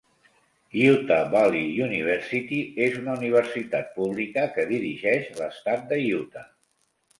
Utah Valley University és una universitat pública que dirigeix l'estat de Utah.